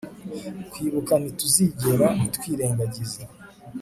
kwibuka ntituzigera twirengagiza